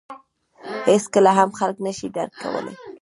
• هېڅکله هم خلک نهشي درک کولای.